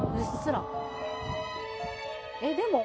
えっでも。